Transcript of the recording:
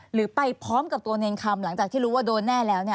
หรือไปพร้อมกับตัวเนรคำหลังจากที่รู้ว่าโดนแน่แล้ว